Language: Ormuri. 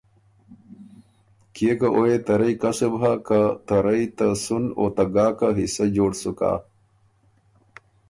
کيې که او يې ته رئ کسُب هۀ، که ته رئ ته سُن او ته ګاکه حصۀ جوړ سُکا۔